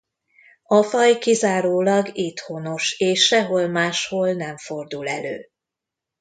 A faj kizárólag itt honos és sehol máshol nem fordul elő.